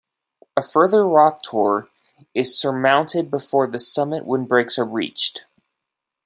A further rock tor is surmounted before the summit windbreaks are reached.